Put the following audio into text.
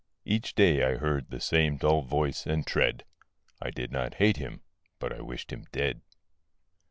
Each day I heard the same dull voice and tread; I did not hate him: but I wished him dead.